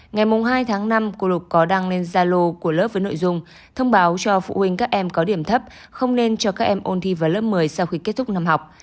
ngày hai tháng năm cô lục có đăng lên zalo của lớp với nội dung thông báo cho phụ huynh các em có điểm thấp không nên cho các em ôn thi vào lớp một mươi sau khi kết thúc năm học